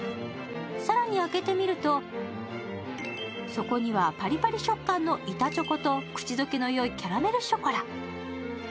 更に開けてみると、そこにはパリパリ食感の板チョコと、口溶けのよいキャラメルショコラ。